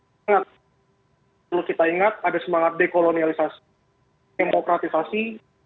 kalau kita ingat ada semangat dekolonialisasi demokratisasi